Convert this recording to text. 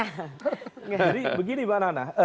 jadi begini mbak nana